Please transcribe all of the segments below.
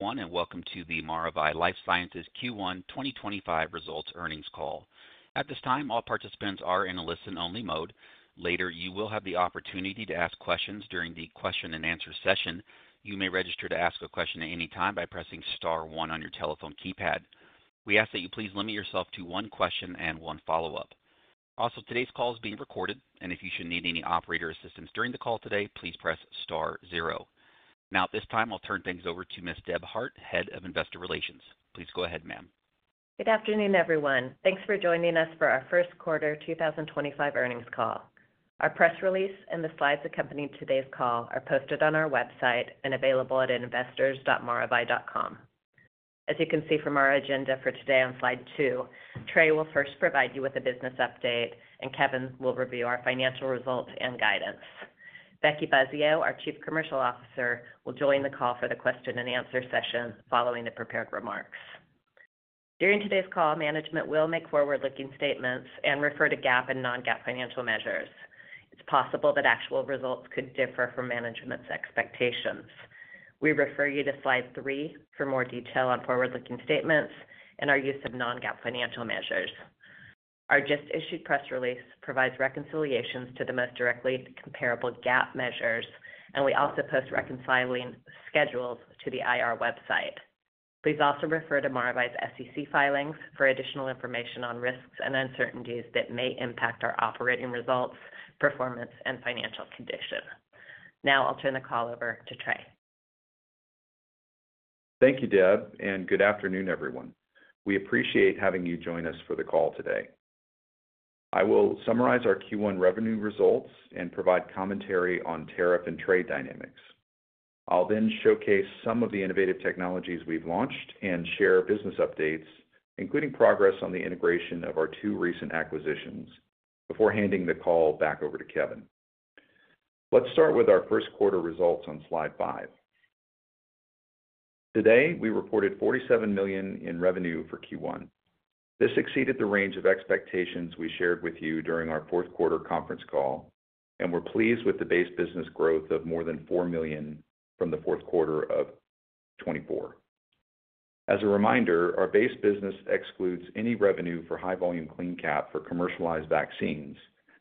On, and welcome to the Maravai LifeSciences Q1 2025 results earnings call. At this time, all participants are in a listen-only mode. Later, you will have the opportunity to ask questions during the question-and-answer session. You may register to ask a question at any time by pressing star one on your telephone keypad. We ask that you please limit yourself to one question and one follow-up. Also, today's call is being recorded, and if you should need any operator assistance during the call today, please press star zero. Now, at this time, I'll turn things over to Ms. Deb Hart, Head of Investor Relations. Please go ahead, ma'am. Good afternoon, everyone. Thanks for joining us for our first quarter 2025 earnings call. Our press release and the slides accompanying today's call are posted on our website and available at investors.maravai.com. As you can see from our agenda for today on slide two, Trey will first provide you with a business update, and Kevin will review our financial results and guidance. Becky Buzzeo, our Chief Commercial Officer, will join the call for the question-and-answer session following the prepared remarks. During today's call, management will make forward-looking statements and refer to GAAP and non-GAAP financial measures. It is possible that actual results could differ from management's expectations. We refer you to slide three for more detail on forward-looking statements and our use of non-GAAP financial measures. Our just-issued press release provides reconciliations to the most directly comparable GAAP measures, and we also post reconciling schedules to the IR website. Please also refer to Maravai's SEC filings for additional information on risks and uncertainties that may impact our operating results, performance, and financial condition. Now, I'll turn the call over to Trey. Thank you, Deb, and good afternoon, everyone. We appreciate having you join us for the call today. I will summarize our Q1 revenue results and provide commentary on tariff and trade dynamics. I'll then showcase some of the innovative technologies we've launched and share business updates, including progress on the integration of our two recent acquisitions, before handing the call back over to Kevin. Let's start with our first quarter results on slide five. Today, we reported $47 million in revenue for Q1. This exceeded the range of expectations we shared with you during our fourth quarter conference call, and we're pleased with the base business growth of more than $4 million from the fourth quarter of 2024. As a reminder, our base business excludes any revenue for high-volume CleanCap for commercialized vaccines,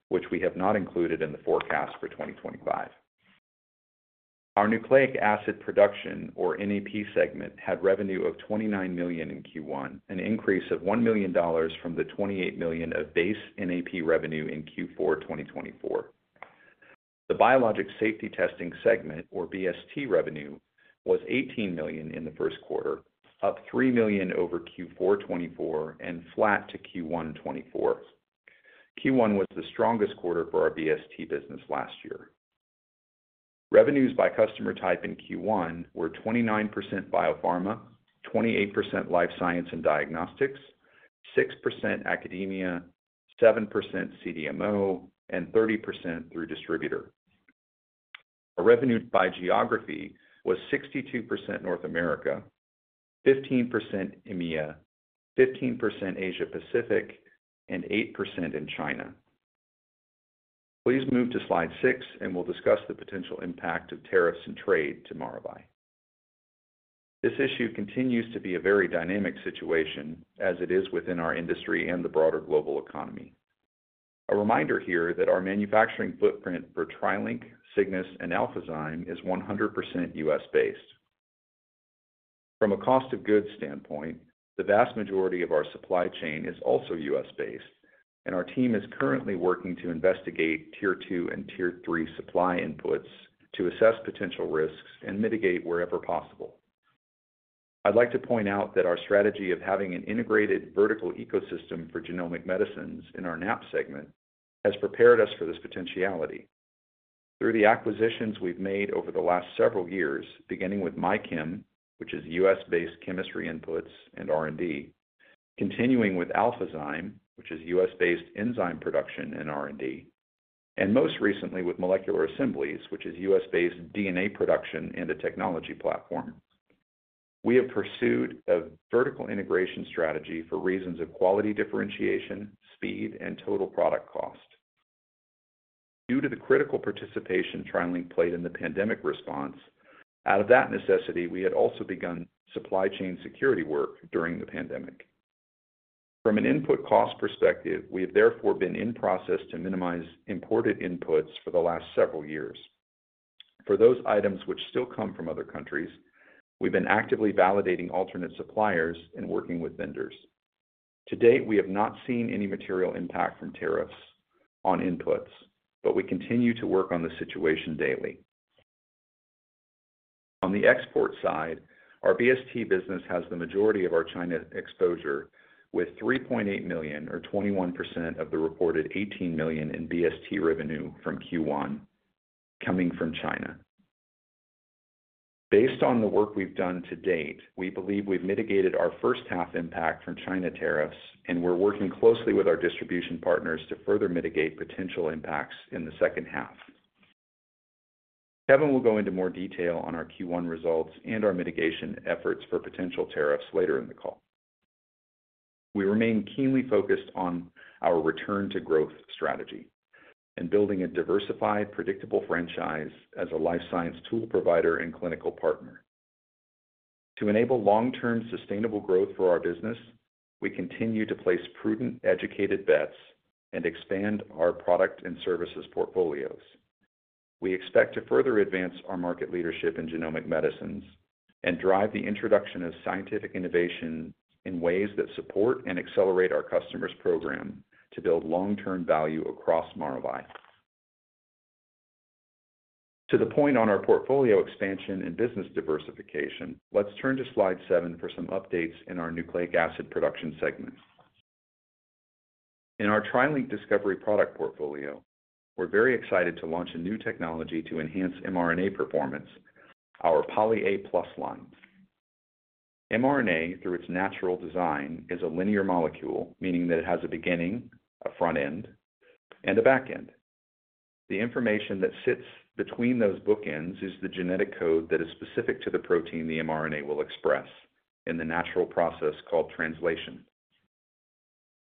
which we have not included in the forecast for 2025. Our nucleic acid production, or NAP segment, had revenue of $29 million in Q1, an increase of $1 million from the $28 million of base NAP revenue in Q4 2024. The biologic safety testing segment, or BST revenue, was $18 million in the first quarter, up $3 million over Q4 2024 and flat to Q1 2024. Q1 was the strongest quarter for our BST business last year. Revenues by customer type in Q1 were 29% biopharma, 28% life science and diagnostics, 6% academia, 7% CDMO, and 30% through distributor. Our revenue by geography was 62% North America, 15% EMEA, 15% Asia-Pacific, and 8% in China. Please move to slide six, and we'll discuss the potential impact of tariffs and trade to Maravai. This issue continues to be a very dynamic situation, as it is within our industry and the broader global economy. A reminder here that our manufacturing footprint for TriLink, Cygnus, and AlphaZyme is 100% U.S.-based. From a cost-of-goods standpoint, the vast majority of our supply chain is also U.S.-based, and our team is currently working to investigate tier two and tier three supply inputs to assess potential risks and mitigate wherever possible. I'd like to point out that our strategy of having an integrated vertical ecosystem for genomic medicines in our NAP segment has prepared us for this potentiality. Through the acquisitions we've made over the last several years, beginning with MyChem, which is U.S.-based chemistry inputs and R&D, continuing with AlphaZyme, which is U.S.-based enzyme production and R&D, and most recently with Molecular Assemblies, which is U.S.-based DNA production and a technology platform. We have pursued a vertical integration strategy for reasons of quality differentiation, speed, and total product cost. Due to the critical participation TriLink played in the pandemic response, out of that necessity, we had also begun supply chain security work during the pandemic. From an input cost perspective, we have therefore been in process to minimize imported inputs for the last several years. For those items which still come from other countries, we've been actively validating alternate suppliers and working with vendors. To date, we have not seen any material impact from tariffs on inputs, but we continue to work on the situation daily. On the export side, our BST business has the majority of our China exposure, with $3.8 million, or 21% of the reported $18 million in BST revenue from Q1, coming from China. Based on the work we've done to date, we believe we've mitigated our first-half impact from China tariffs, and we're working closely with our distribution partners to further mitigate potential impacts in the second half. Kevin will go into more detail on our Q1 results and our mitigation efforts for potential tariffs later in the call. We remain keenly focused on our return-to-growth strategy and building a diversified, predictable franchise as a life science tool provider and clinical partner. To enable long-term sustainable growth for our business, we continue to place prudent, educated bets and expand our product and services portfolios. We expect to further advance our market leadership in genomic medicines and drive the introduction of scientific innovation in ways that support and accelerate our customers' program to build long-term value across Maravai. To the point on our portfolio expansion and business diversification, let's turn to slide seven for some updates in our nucleic acid production segment. In our TriLink Discovery product portfolio, we're very excited to launch a new technology to enhance mRNA performance, our Poly A Plus line. mRNA, through its natural design, is a linear molecule, meaning that it has a beginning, a front end, and a back end. The information that sits between those bookends is the genetic code that is specific to the protein the mRNA will express in the natural process called translation.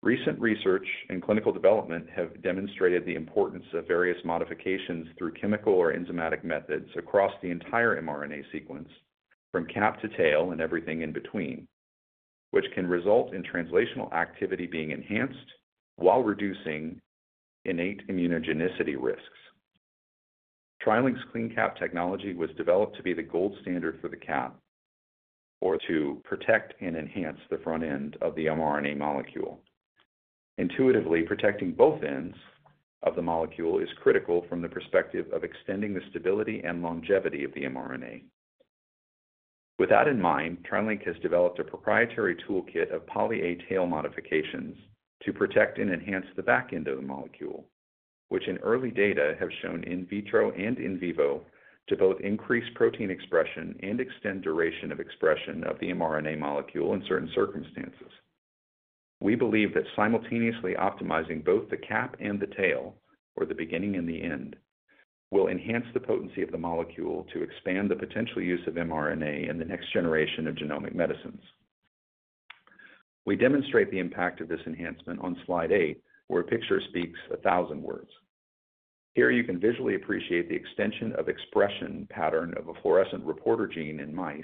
Recent research and clinical development have demonstrated the importance of various modifications through chemical or enzymatic methods across the entire mRNA sequence, from cap to tail and everything in between, which can result in translational activity being enhanced while reducing innate immunogenicity risks. TriLink's Clean Cap technology was developed to be the gold standard for the cap, or to protect and enhance the front end of the mRNA molecule. Intuitively, protecting both ends of the molecule is critical from the perspective of extending the stability and longevity of the mRNA. With that in mind, TriLink has developed a proprietary toolkit of Poly A tail modifications to protect and enhance the back end of the molecule, which in early data have shown in vitro and in vivo to both increase protein expression and extend duration of expression of the mRNA molecule in certain circumstances. We believe that simultaneously optimizing both the cap and the tail, or the beginning and the end, will enhance the potency of the molecule to expand the potential use of mRNA in the next generation of genomic medicines. We demonstrate the impact of this enhancement on slide eight, where a picture speaks a thousand words. Here you can visually appreciate the extension of expression pattern of a fluorescent reporter gene in mice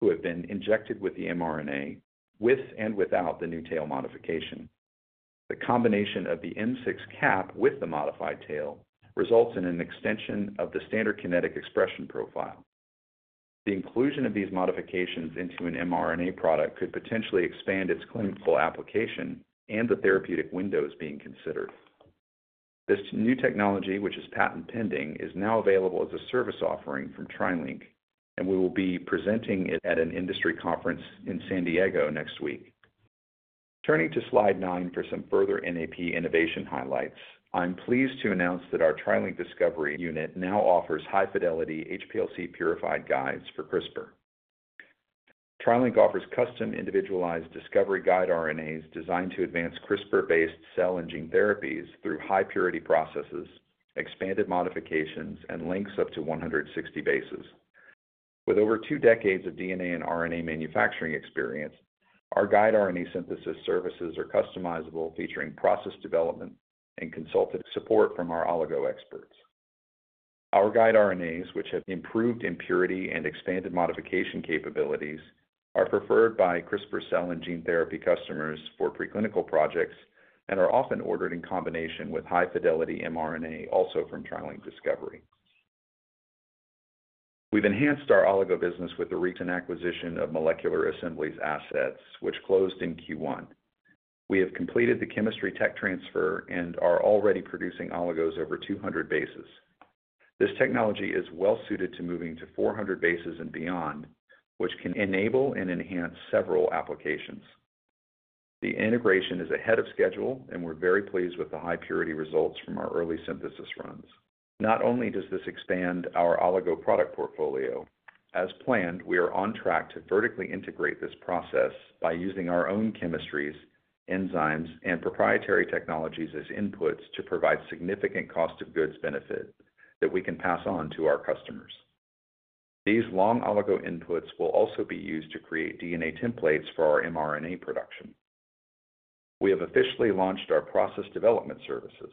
who have been injected with the mRNA with and without the new tail modification. The combination of the M6 Cap with the modified tail results in an extension of the standard kinetic expression profile. The inclusion of these modifications into an mRNA product could potentially expand its clinical application and the therapeutic windows being considered. This new technology, which is patent pending, is now available as a service offering from TriLink, and we will be presenting it at an industry conference in San Diego next week. Turning to slide nine for some further NAP innovation highlights, I'm pleased to announce that our TriLink Discovery unit now offers high-fidelity HPLC-purified guides for CRISPR. TriLink offers custom individualized discovery guide RNAs designed to advance CRISPR-based cell and gene therapies through high-purity processes, expanded modifications, and lengths up to 160 bases. With over two decades of DNA and RNA manufacturing experience, our guide RNA synthesis services are customizable, featuring process development and consultative support from our oligo experts. Our guide RNAs, which have improved in purity and expanded modification capabilities, are preferred by CRISPR cell and gene therapy customers for preclinical projects and are often ordered in combination with high-fidelity mRNA, also from TriLink Discovery. We have enhanced our oligo business with the recent acquisition of Molecular Assemblies assets, which closed in Q1. We have completed the chemistry tech transfer and are already producing oligos over 200 bases. This technology is well-suited to moving to 400 bases and beyond, which can enable and enhance several applications. The integration is ahead of schedule, and we're very pleased with the high-purity results from our early synthesis runs. Not only does this expand our oligo product portfolio, as planned, we are on track to vertically integrate this process by using our own chemistries, enzymes, and proprietary technologies as inputs to provide significant cost-of-goods benefit that we can pass on to our customers. These long oligo inputs will also be used to create DNA templates for our mRNA production. We have officially launched our process development services.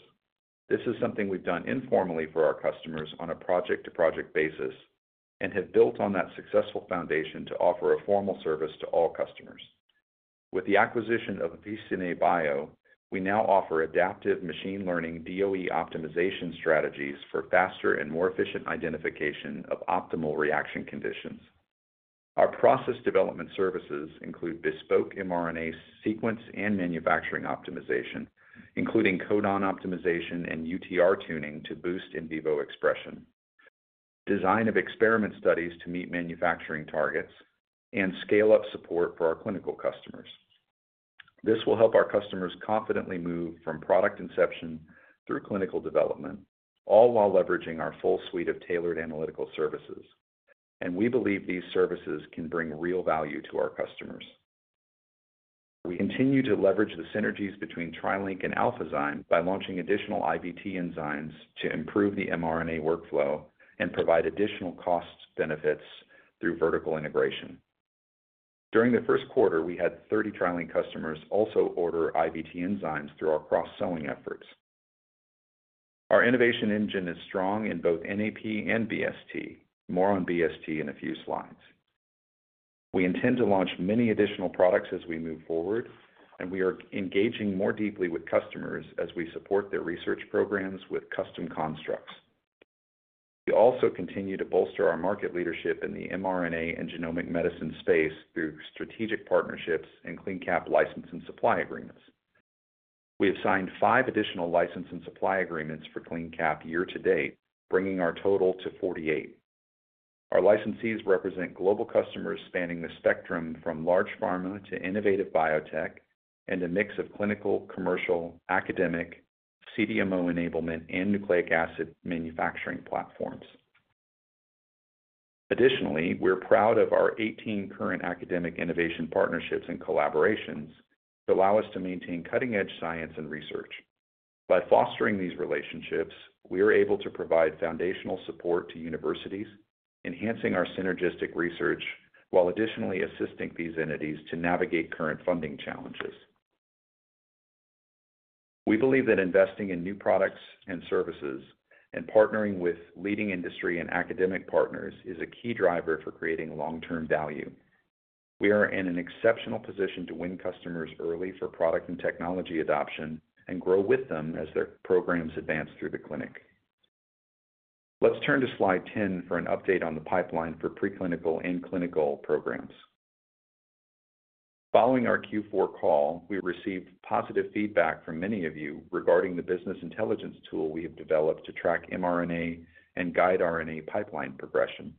This is something we've done informally for our customers on a project-to-project basis and have built on that successful foundation to offer a formal service to all customers. With the acquisition of BCNA Bio, we now offer adaptive machine learning DOE optimization strategies for faster and more efficient identification of optimal reaction conditions. Our process development services include bespoke mRNA sequence and manufacturing optimization, including codon optimization and UTR tuning to boost in vivo expression, design of experiment studies to meet manufacturing targets, and scale-up support for our clinical customers. This will help our customers confidently move from product inception through clinical development, all while leveraging our full suite of tailored analytical services, and we believe these services can bring real value to our customers. We continue to leverage the synergies between TriLink and AlphaZyme by launching additional IVT enzymes to improve the mRNA workflow and provide additional cost benefits through vertical integration. During the first quarter, we had 30 TriLink customers also order IVT enzymes through our cross-selling efforts. Our innovation engine is strong in both NAP and BST. More on BST in a few slides. We intend to launch many additional products as we move forward, and we are engaging more deeply with customers as we support their research programs with custom constructs. We also continue to bolster our market leadership in the mRNA and genomic medicine space through strategic partnerships and CleanCap license and supply agreements. We have signed five additional license and supply agreements for CleanCap year to date, bringing our total to 48. Our licensees represent global customers spanning the spectrum from large pharma to innovative biotech and a mix of clinical, commercial, academic, CDMO enablement, and nucleic acid manufacturing platforms. Additionally, we're proud of our 18 current academic innovation partnerships and collaborations that allow us to maintain cutting-edge science and research. By fostering these relationships, we are able to provide foundational support to universities, enhancing our synergistic research while additionally assisting these entities to navigate current funding challenges. We believe that investing in new products and services and partnering with leading industry and academic partners is a key driver for creating long-term value. We are in an exceptional position to win customers early for product and technology adoption and grow with them as their programs advance through the clinic. Let's turn to slide 10 for an update on the pipeline for preclinical and clinical programs. Following our Q4 call, we received positive feedback from many of you regarding the business intelligence tool we have developed to track mRNA and guide RNA pipeline progression.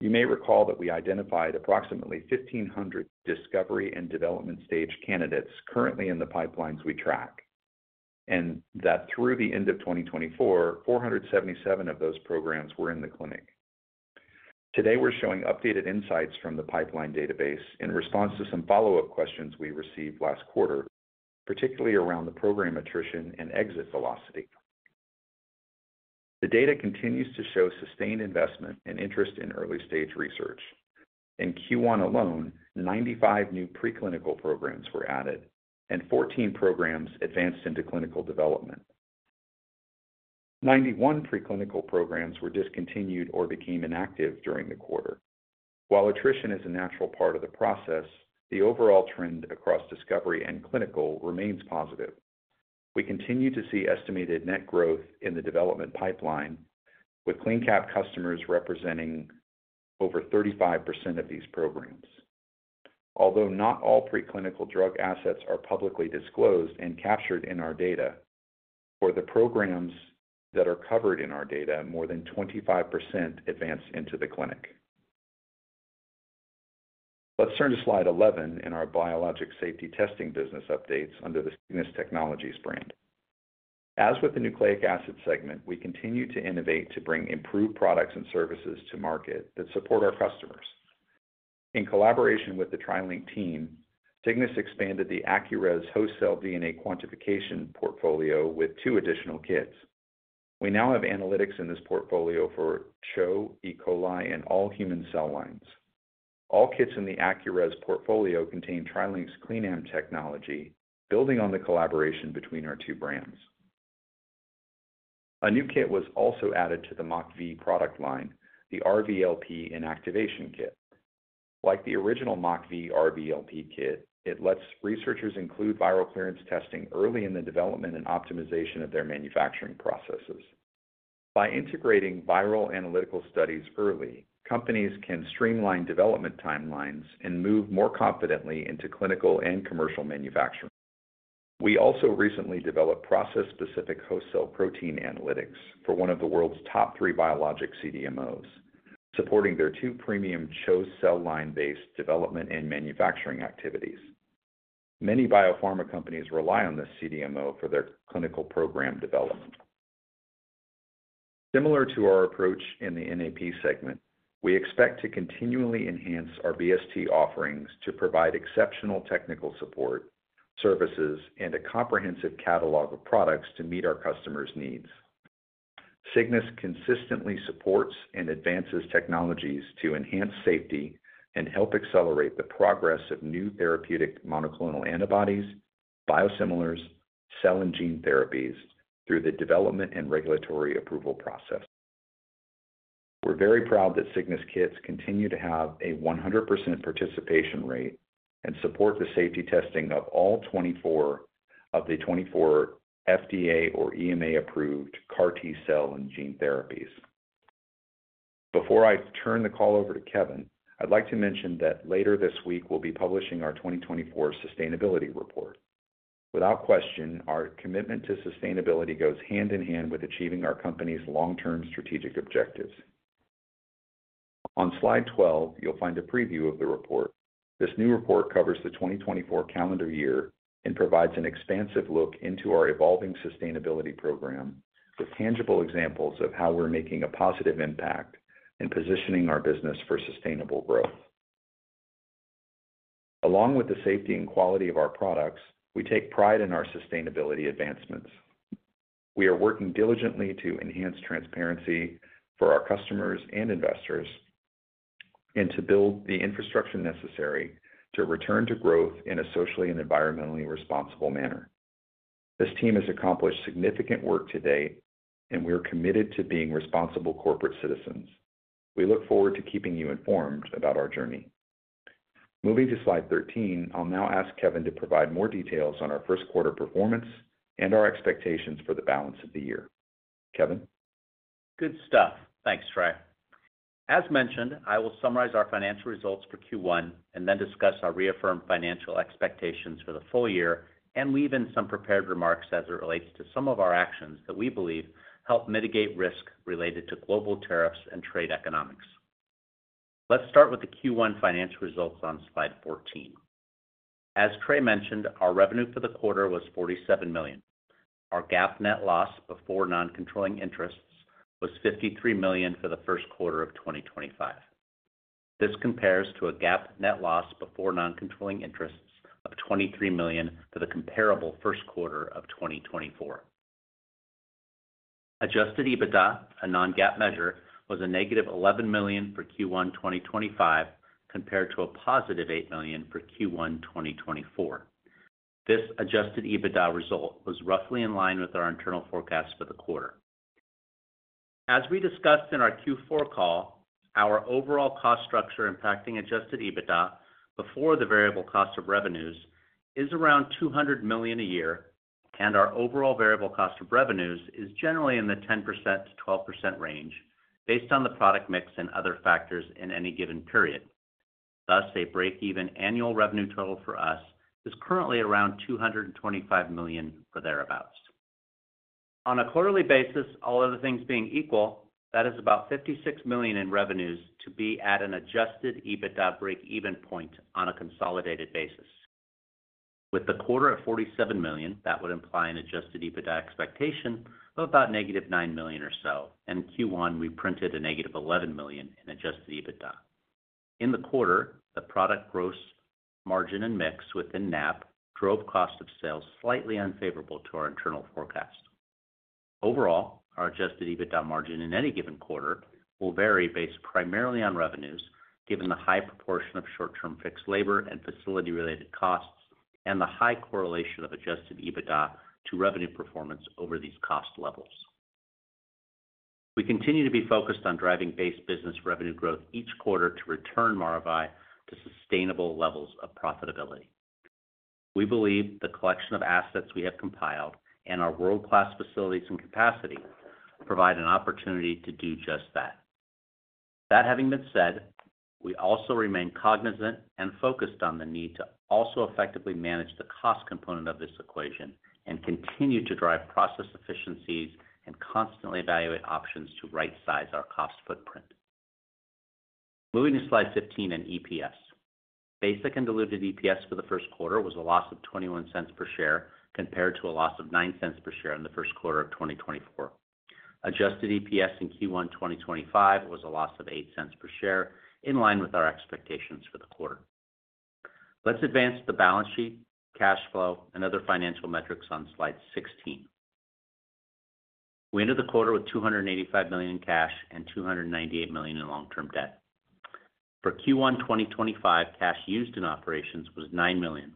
You may recall that we identified approximately 1,500 discovery and development stage candidates currently in the pipelines we track, and that through the end of 2024, 477 of those programs were in the clinic. Today, we're showing updated insights from the pipeline database in response to some follow-up questions we received last quarter, particularly around the program attrition and exit velocity. The data continues to show sustained investment and interest in early-stage research. In Q1 alone, 95 new preclinical programs were added and 14 programs advanced into clinical development. Ninety-one preclinical programs were discontinued or became inactive during the quarter. While attrition is a natural part of the process, the overall trend across discovery and clinical remains positive. We continue to see estimated net growth in the development pipeline, with CleanCap customers representing over 35% of these programs. Although not all preclinical drug assets are publicly disclosed and captured in our data, for the programs that are covered in our data, more than 25% advance into the clinic. Let's turn to slide 11 in our biologic safety testing business updates under the Cygnus Technologies brand. As with the nucleic acid segment, we continue to innovate to bring improved products and services to market that support our customers. In collaboration with the TriLink team, Cygnus expanded the AccuRes wholesale DNA quantification portfolio with two additional kits. We now have analytics in this portfolio for CHO, E. coli, and all human cell lines. All kits in the AccuRes portfolio contain TriLink's CleanAm technology, building on the collaboration between our two brands. A new kit was also added to the Mock V product line, the RVLP Inactivation Kit. Like the original Mock V RVLP kit, it lets researchers include viral clearance testing early in the development and optimization of their manufacturing processes. By integrating viral analytical studies early, companies can streamline development timelines and move more confidently into clinical and commercial manufacturing. We also recently developed process-specific host cell protein analytics for one of the world's top three biologic CDMOs, supporting their two premium CHO cell line-based development and manufacturing activities. Many biopharma companies rely on this CDMO for their clinical program development. Similar to our approach in the NAP segment, we expect to continually enhance our BST offerings to provide exceptional technical support, services, and a comprehensive catalog of products to meet our customers' needs. Cygnus consistently supports and advances technologies to enhance safety and help accelerate the progress of new therapeutic monoclonal antibodies, biosimilars, cell, and gene therapies through the development and regulatory approval process. We're very proud that Cygnus kits continue to have a 100% participation rate and support the safety testing of all 24 of the 24 FDA or EMA-approved CAR-T cell and gene therapies. Before I turn the call over to Kevin, I'd like to mention that later this week we'll be publishing our 2024 sustainability report. Without question, our commitment to sustainability goes hand in hand with achieving our company's long-term strategic objectives. On slide 12, you'll find a preview of the report. This new report covers the 2024 calendar year and provides an expansive look into our evolving sustainability program with tangible examples of how we're making a positive impact and positioning our business for sustainable growth. Along with the safety and quality of our products, we take pride in our sustainability advancements. We are working diligently to enhance transparency for our customers and investors and to build the infrastructure necessary to return to growth in a socially and environmentally responsible manner. This team has accomplished significant work to date, and we're committed to being responsible corporate citizens. We look forward to keeping you informed about our journey. Moving to slide 13, I'll now ask Kevin to provide more details on our first quarter performance and our expectations for the balance of the year. Kevin. Good stuff. Thanks, Trey. As mentioned, I will summarize our financial results for Q1 and then discuss our reaffirmed financial expectations for the full year and weave in some prepared remarks as it relates to some of our actions that we believe help mitigate risk related to global tariffs and trade economics. Let's start with the Q1 financial results on slide 14. As Trey mentioned, our revenue for the quarter was $47 million. Our GAAP net loss before non-controlling interests was $53 million for the first quarter of 2025. This compares to a GAAP net loss before non-controlling interests of $23 million for the comparable first quarter of 2024. Adjusted EBITDA, a non-GAAP measure, was a negative $11 million for Q1 2025 compared to a positive $8 million for Q1 2024. This adjusted EBITDA result was roughly in line with our internal forecast for the quarter. As we discussed in our Q4 call, our overall cost structure impacting adjusted EBITDA before the variable cost of revenues is around $200 million a year, and our overall variable cost of revenues is generally in the 10%-12% range based on the product mix and other factors in any given period. Thus, a break-even annual revenue total for us is currently around $225 million or thereabouts. On a quarterly basis, all other things being equal, that is about $56 million in revenues to be at an adjusted EBITDA break-even point on a consolidated basis. With the quarter at $47 million, that would imply an adjusted EBITDA expectation of about negative $9 million or so, and Q1 we printed a negative $11 million in adjusted EBITDA. In the quarter, the product gross margin and mix within NAP drove cost of sales slightly unfavorable to our internal forecast. Overall, our adjusted EBITDA margin in any given quarter will vary based primarily on revenues given the high proportion of short-term fixed labor and facility-related costs and the high correlation of adjusted EBITDA to revenue performance over these cost levels. We continue to be focused on driving base business revenue growth each quarter to return Maravai to sustainable levels of profitability. We believe the collection of assets we have compiled and our world-class facilities and capacity provide an opportunity to do just that. That having been said, we also remain cognizant and focused on the need to also effectively manage the cost component of this equation and continue to drive process efficiencies and constantly evaluate options to right-size our cost footprint. Moving to slide 15 and EPS. Basic and diluted EPS for the first quarter was a loss of $0.21 per share compared to a loss of $0.09 per share in the first quarter of 2024. Adjusted EPS in Q1 2025 was a loss of $0.08 per share in line with our expectations for the quarter. Let's advance to the balance sheet, cash flow, and other financial metrics on slide 16. We ended the quarter with $285 million in cash and $298 million in long-term debt. For Q1 2025, cash used in operations was $9 million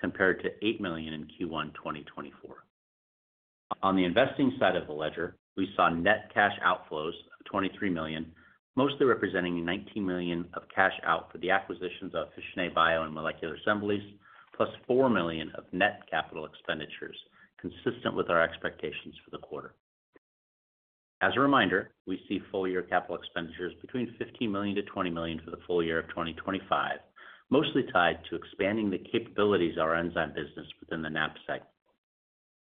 compared to $8 million in Q1 2024. On the investing side of the ledger, we saw net cash outflows of $23 million, mostly representing $19 million of cash out for the acquisitions of Fichene Bio and Molecular Assemblies, plus $4 million of net capital expenditures consistent with our expectations for the quarter. As a reminder, we see full-year capital expenditures between $15 million-$20 million for the full year of 2025, mostly tied to expanding the capabilities of our enzyme business within the NAP segment.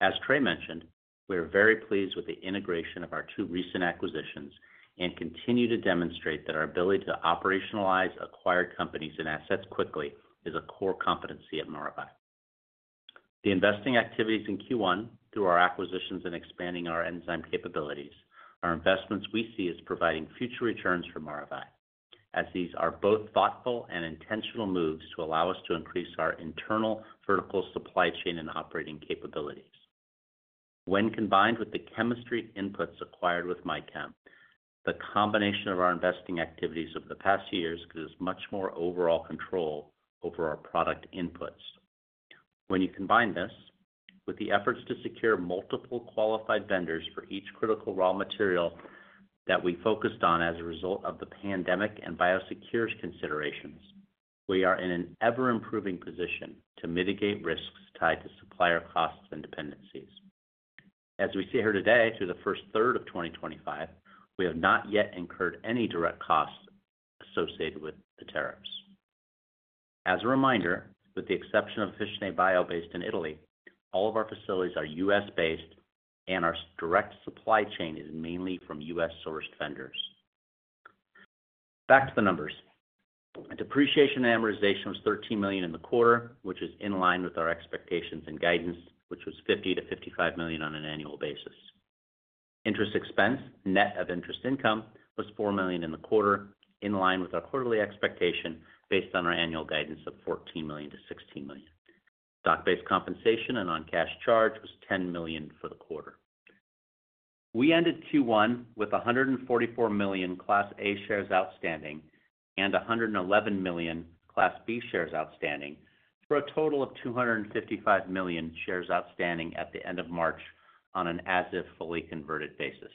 As Trey mentioned, we are very pleased with the integration of our two recent acquisitions and continue to demonstrate that our ability to operationalize acquired companies and assets quickly is a core competency at Maravai. The investing activities in Q1 through our acquisitions and expanding our enzyme capabilities are investments we see as providing future returns for Maravai, as these are both thoughtful and intentional moves to allow us to increase our internal vertical supply chain and operating capabilities. When combined with the chemistry inputs acquired with MyChem, the combination of our investing activities over the past years gives us much more overall control over our product inputs. When you combine this with the efforts to secure multiple qualified vendors for each critical raw material that we focused on as a result of the pandemic and biosecure considerations, we are in an ever-improving position to mitigate risks tied to supplier costs and dependencies. As we see here today, through the first third of 2025, we have not yet incurred any direct costs associated with the tariffs. As a reminder, with the exception of Fichene Bio based in Italy, all of our facilities are U.S.-based, and our direct supply chain is mainly from U.S.-sourced vendors. Back to the numbers. Depreciation and amortization was $13 million in the quarter, which is in line with our expectations and guidance, which was $50-$55 million on an annual basis. Interest expense, net of interest income, was $4 million in the quarter, in line with our quarterly expectation based on our annual guidance of $14 million-$16 million. Stock-based compensation and on cash charge was $10 million for the quarter. We ended Q1 with 144 million Class A shares outstanding and 111 million Class B shares outstanding for a total of 255 million shares outstanding at the end of March on an as-if fully converted basis.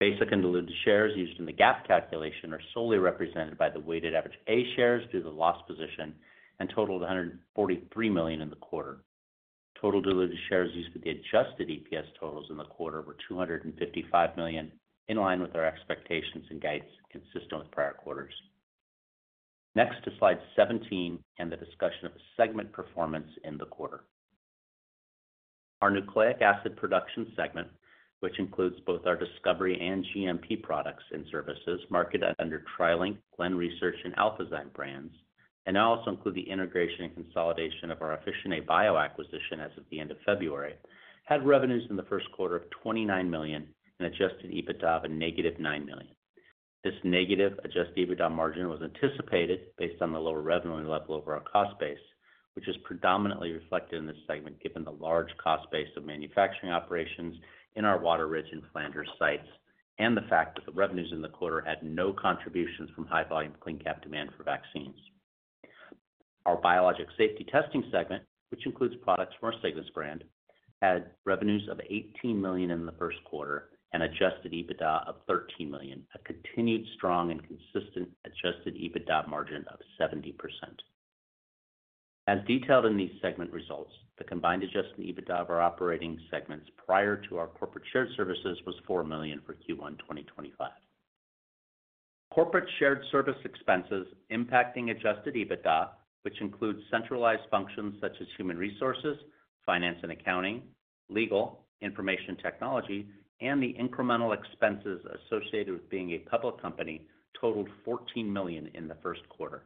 Basic and diluted shares used in the GAAP calculation are solely represented by the weighted average A shares due to the loss position and totaled 143 million in the quarter. Total diluted shares used with the adjusted EPS totals in the quarter were 255 million, in line with our expectations and guidance consistent with prior quarters. Next to slide 17 and the discussion of the segment performance in the quarter. Our nucleic acid production segment, which includes both our discovery and GMP products and services marketed under TriLink, Glen Research, and AlphaZyme brands, and I also include the integration and consolidation of our Fichene Bio acquisition as of the end of February, had revenues in the first quarter of $29 million and adjusted EBITDA of a negative $9 million. This negative adjusted EBITDA margin was anticipated based on the lower revenue level of our cost base, which is predominantly reflected in this segment given the large cost base of manufacturing operations in our Waterridge and Flanders sites and the fact that the revenues in the quarter had no contributions from high-volume Clean Cap demand for vaccines. Our Biologic Safety Testing segment, which includes products from our Cygnus brand, had revenues of $18 million in the first quarter and adjusted EBITDA of $13 million, a continued strong and consistent adjusted EBITDA margin of 70%. As detailed in these segment results, the combined adjusted EBITDA of our operating segments prior to our corporate shared services was $4 million for Q1 2025. Corporate shared service expenses impacting adjusted EBITDA, which includes centralized functions such as human resources, finance and accounting, legal, information technology, and the incremental expenses associated with being a public company, totaled $14 million in the first quarter.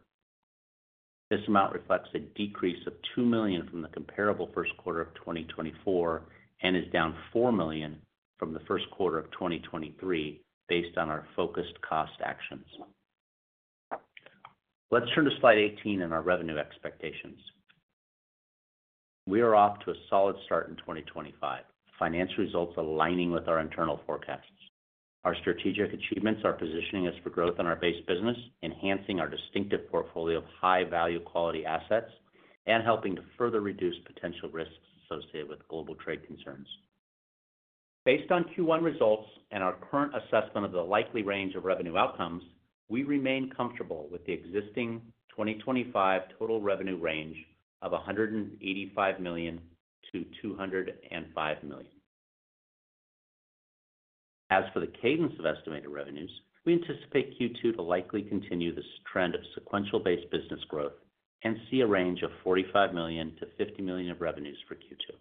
This amount reflects a decrease of $2 million from the comparable first quarter of 2024 and is down $4 million from the first quarter of 2023 based on our focused cost actions. Let's turn to slide 18 and our revenue expectations. We are off to a solid start in 2025, financial results aligning with our internal forecasts. Our strategic achievements are positioning us for growth in our base business, enhancing our distinctive portfolio of high-value quality assets and helping to further reduce potential risks associated with global trade concerns. Based on Q1 results and our current assessment of the likely range of revenue outcomes, we remain comfortable with the existing 2025 total revenue range of $185 million-$205 million. As for the cadence of estimated revenues, we anticipate Q2 to likely continue this trend of sequential-based business growth and see a range of $45 million-$50 million of revenues for Q2.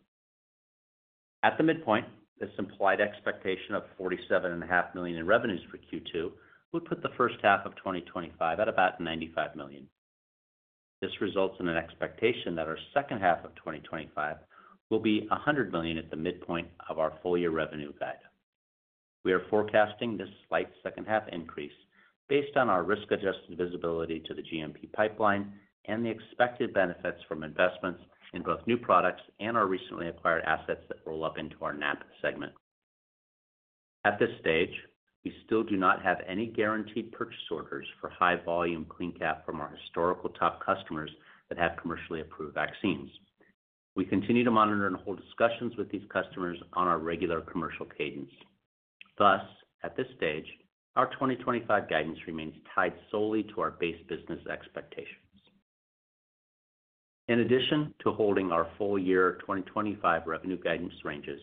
At the midpoint, this implied expectation of $47.5 million in revenues for Q2 would put the first half of 2025 at about $95 million. This results in an expectation that our second half of 2025 will be $100 million at the midpoint of our full-year revenue guide. We are forecasting this slight second-half increase based on our risk-adjusted visibility to the GMP pipeline and the expected benefits from investments in both new products and our recently acquired assets that roll up into our NAP segment. At this stage, we still do not have any guaranteed purchase orders for high-volume CleanCap from our historical top customers that have commercially approved vaccines. We continue to monitor and hold discussions with these customers on our regular commercial cadence. Thus, at this stage, our 2025 guidance remains tied solely to our base business expectations. In addition to holding our full-year 2025 revenue guidance ranges,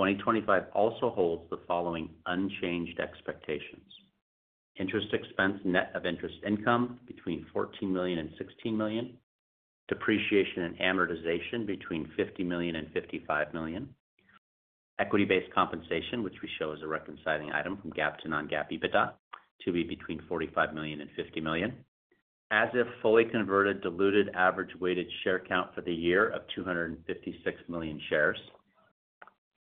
2025 also holds the following unchanged expectations: interest expense, net of interest income between $14 million and $16 million, depreciation and amortization between $50 million and $55 million, equity-based compensation, which we show as a reconciling item from GAAP to non-GAAP EBITDA, to be between $45 million and $50 million, as-if fully converted diluted average weighted share count for the year of 256 million shares,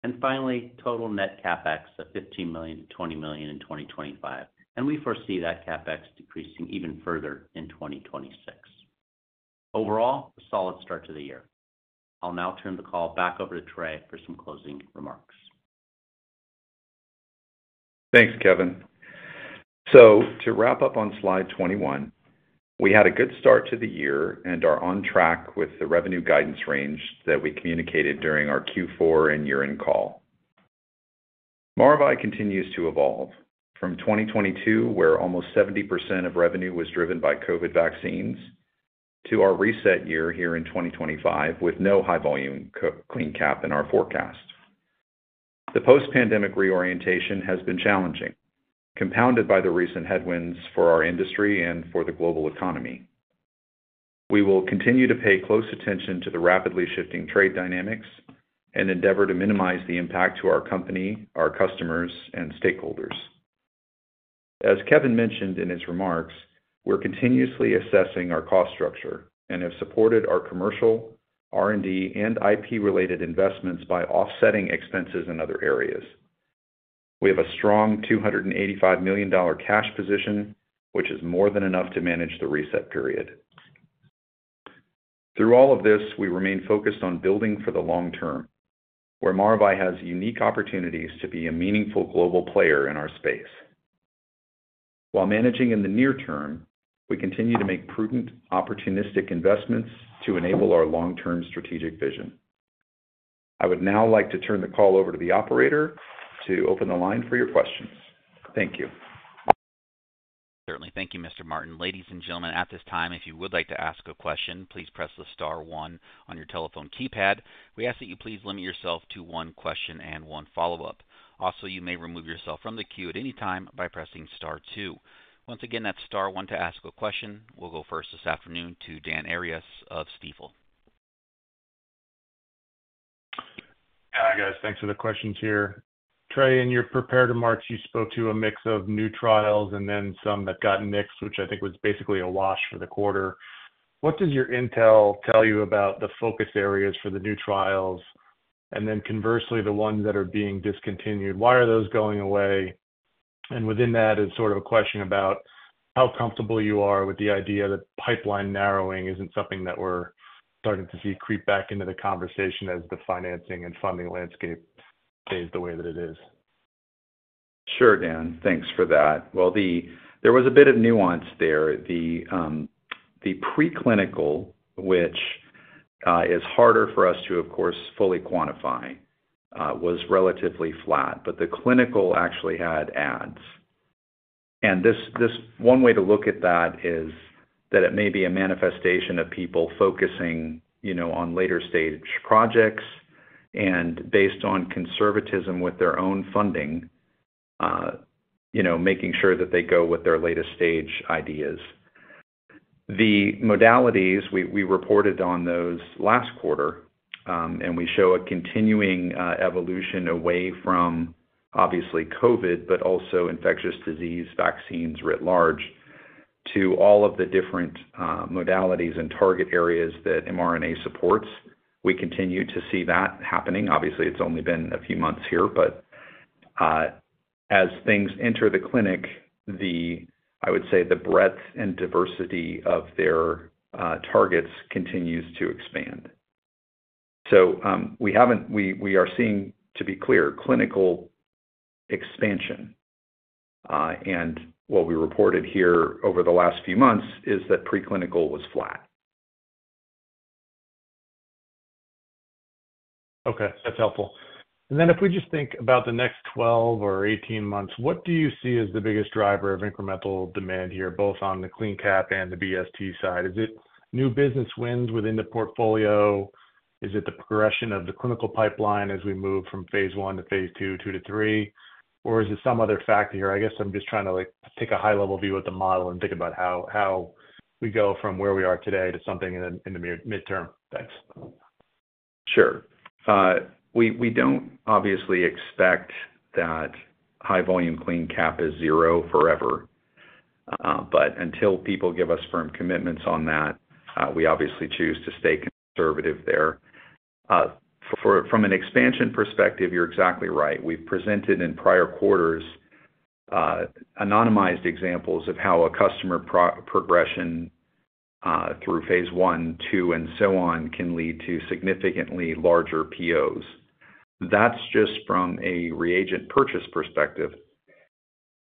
and finally, total net CapEx of $15 million-$20 million in 2025. We foresee that CapEx decreasing even further in 2026. Overall, a solid start to the year. I'll now turn the call back over to Trey for some closing remarks. Thanks, Kevin. To wrap up on slide 21, we had a good start to the year and are on track with the revenue guidance range that we communicated during our Q4 and year-end call. Maravai continues to evolve from 2022, where almost 70% of revenue was driven by COVID vaccines, to our reset year here in 2025 with no high-volume CleanCap in our forecast. The post-pandemic reorientation has been challenging, compounded by the recent headwinds for our industry and for the global economy. We will continue to pay close attention to the rapidly shifting trade dynamics and endeavor to minimize the impact to our company, our customers, and stakeholders. As Kevin mentioned in his remarks, we're continuously assessing our cost structure and have supported our commercial, R&D, and IP-related investments by offsetting expenses in other areas. We have a strong $285 million cash position, which is more than enough to manage the reset period. Through all of this, we remain focused on building for the long term, where Maravai has unique opportunities to be a meaningful global player in our space. While managing in the near term, we continue to make prudent, opportunistic investments to enable our long-term strategic vision. I would now like to turn the call over to the operator to open the line for your questions. Thank you. Certainly. Thank you, Mr. Martin. Ladies and gentlemen, at this time, if you would like to ask a question, please press the star one on your telephone keypad. We ask that you please limit yourself to one question and one follow-up. Also, you may remove yourself from the queue at any time by pressing star two. Once again, that's star one to ask a question. We'll go first this afternoon to Dan Arias of Steve. Hi, guys. Thanks for the questions here. Trey, in your prepared remarks, you spoke to a mix of new trials and then some that got nixed, which I think was basically a wash for the quarter. What does your intel tell you about the focus areas for the new trials and then, conversely, the ones that are being discontinued? Why are those going away? And within that is sort of a question about how comfortable you are with the idea that pipeline narrowing isn't something that we're starting to see creep back into the conversation as the financing and funding landscape stays the way that it is. Sure, Dan. Thanks for that. There was a bit of nuance there. The preclinical, which is harder for us to, of course, fully quantify, was relatively flat, but the clinical actually had adds. One way to look at that is that it may be a manifestation of people focusing on later-stage projects and, based on conservatism with their own funding, making sure that they go with their latest-stage ideas. The modalities, we reported on those last quarter, and we show a continuing evolution away from, obviously, COVID, but also infectious disease vaccines writ large, to all of the different modalities and target areas that mRNA supports. We continue to see that happening. Obviously, it's only been a few months here, but as things enter the clinic, I would say the breadth and diversity of their targets continues to expand. We are seeing, to be clear, clinical expansion. What we reported here over the last few months is that preclinical was flat. Okay. That's helpful. If we just think about the next 12 or 18 months, what do you see as the biggest driver of incremental demand here, both on the CleanCap and the BST side? Is it new business wins within the portfolio? Is it the progression of the clinical pipeline as we move from phase one to phase two, two to three, or is it some other factor here? I guess I'm just trying to take a high-level view of the model and think about how we go from where we are today to something in the midterm. Thanks. Sure. We do not obviously expect that high-volume CleanCap is zero forever, but until people give us firm commitments on that, we obviously choose to stay conservative there. From an expansion perspective, you're exactly right. We've presented in prior quarters anonymized examples of how a customer progression through phase one, two, and so on can lead to significantly larger POs. That's just from a reagent purchase perspective.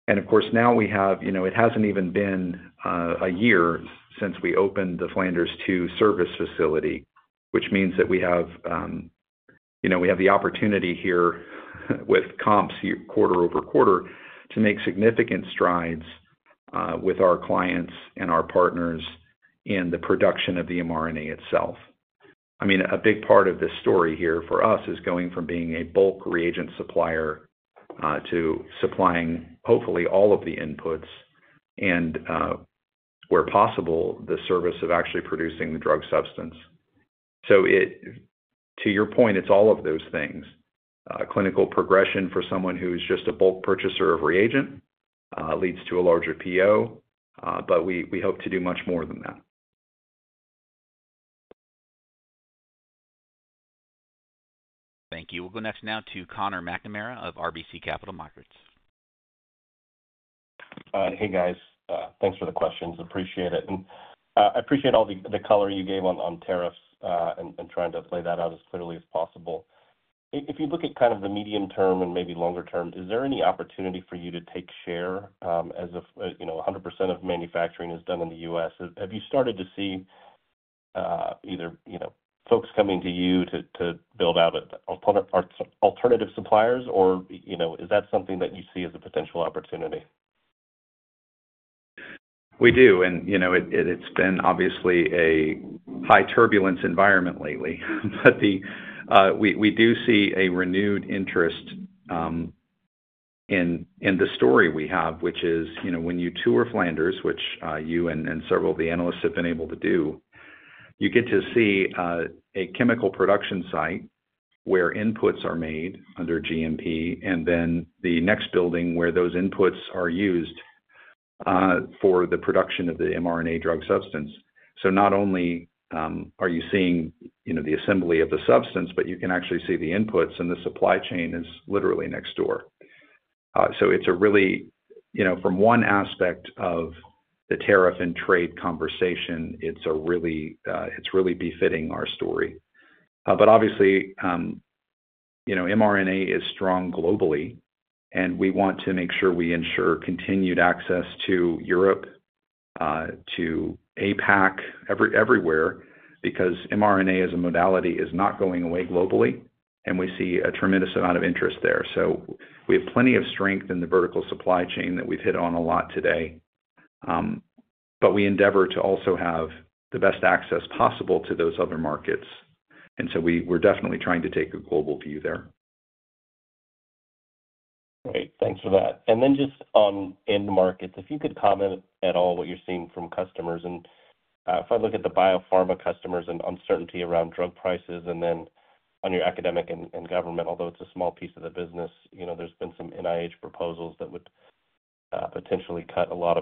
Of course, now we have it hasn't even been a year since we opened the Flanders II service facility, which means that we have the opportunity here with comps quarter over quarter to make significant strides with our clients and our partners in the production of the mRNA itself. I mean, a big part of the story here for us is going from being a bulk reagent supplier to supplying hopefully all of the inputs and, where possible, the service of actually producing the drug substance. To your point, it's all of those things. Clinical progression for someone who is just a bulk purchaser of reagent leads to a larger PO, but we hope to do much more than that. Thank you. We'll go next now to Connor McNamara of RBC Capital Markets. Hey, guys. Thanks for the questions. Appreciate it. And I appreciate all the color you gave on tariffs and trying to lay that out as clearly as possible. If you look at kind of the medium term and maybe longer term, is there any opportunity for you to take share as 100% of manufacturing is done in the U.S.? Have you started to see either folks coming to you to build out alternative suppliers, or is that something that you see as a potential opportunity? We do. And it's been obviously a high turbulence environment lately. We do see a renewed interest in the story we have, which is when you tour Flanders, which you and several of the analysts have been able to do, you get to see a chemical production site where inputs are made under GMP and then the next building where those inputs are used for the production of the mRNA drug substance. Not only are you seeing the assembly of the substance, but you can actually see the inputs, and the supply chain is literally next door. It is really from one aspect of the tariff and trade conversation, it is really befitting our story. Obviously, mRNA is strong globally, and we want to make sure we ensure continued access to Europe, to APAC, everywhere, because mRNA as a modality is not going away globally, and we see a tremendous amount of interest there. We have plenty of strength in the vertical supply chain that we've hit on a lot today, but we endeavor to also have the best access possible to those other markets. We're definitely trying to take a global view there. Great. Thanks for that. Just on end markets, if you could comment at all what you're seeing from customers. If I look at the biopharma customers and uncertainty around drug prices, and then on your academic and government, although it's a small piece of the business, there's been some NIH proposals that would potentially cut a lot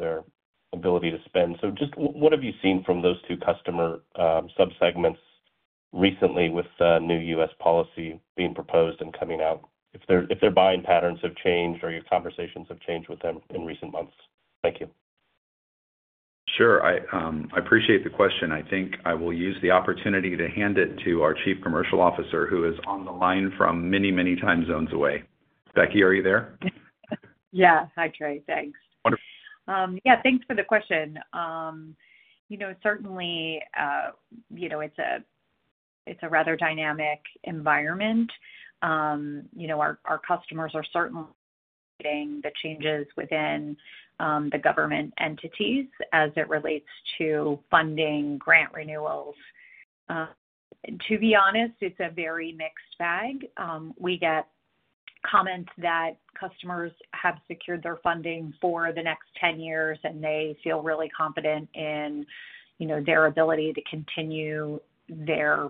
of their ability to spend. Just what have you seen from those two customer subsegments recently with new U.S. policy being proposed and coming out? If their buying patterns have changed or your conversations have changed with them in recent months? Thank you. Sure. I appreciate the question. I think I will use the opportunity to hand it to our Chief Commercial Officer who is on the line from many, many time zones away. Becky, are you there? Yeah. Hi, Trey. Thanks. Wonderful. Yeah. Thanks for the question. Certainly, it's a rather dynamic environment. Our customers are certainly getting the changes within the government entities as it relates to funding, grant renewals. To be honest, it's a very mixed bag. We get comments that customers have secured their funding for the next 10 years, and they feel really confident in their ability to continue their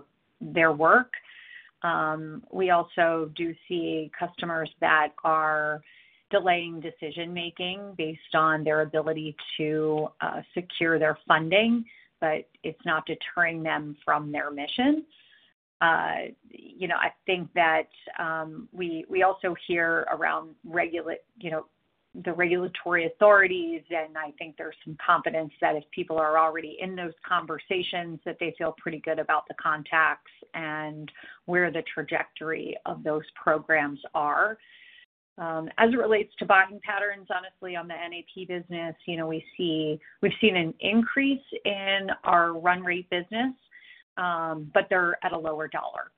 work. We also do see customers that are delaying decision-making based on their ability to secure their funding, but it's not deterring them from their mission. I think that we also hear around the regulatory authorities, and I think there's some confidence that if people are already in those conversations, that they feel pretty good about the contacts and where the trajectory of those programs are. As it relates to buying patterns, honestly, on the NAP business, we've seen an increase in our run rate business, but they're at a lower dollar.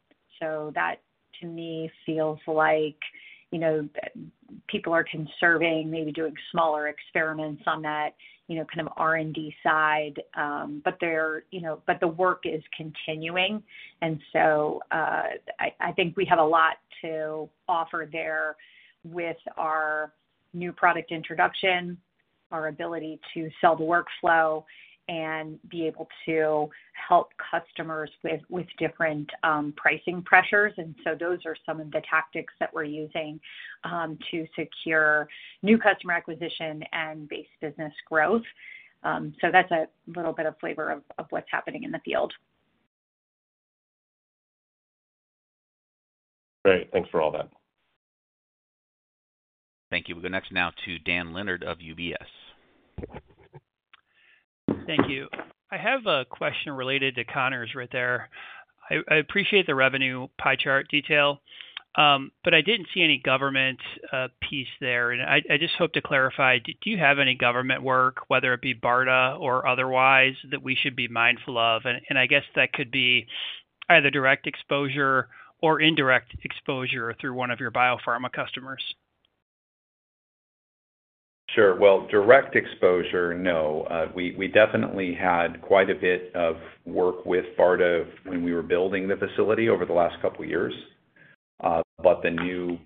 That, to me, feels like people are conserving, maybe doing smaller experiments on that kind of R&D side, but the work is continuing. I think we have a lot to offer there with our new product introduction, our ability to sell the workflow, and be able to help customers with different pricing pressures. Those are some of the tactics that we're using to secure new customer acquisition and base business growth. That's a little bit of flavor of what's happening in the field. Great. Thanks for all that. Thank you. We'll go next now to Dan Leonard of UBS. Thank you. I have a question related to Connor's right there. I appreciate the revenue pie chart detail, but I didn't see any government piece there. I just hope to clarify, do you have any government work, whether it be BARDA or otherwise, that we should be mindful of? I guess that could be either direct exposure or indirect exposure through one of your biopharma customers. Sure. Direct exposure, no. We definitely had quite a bit of work with BARDA when we were building the facility over the last couple of years. The new